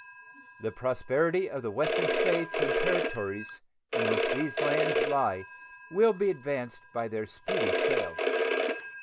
The prosperity of the Western States and Territories in which these lands lie will be advanced by their speedy sale.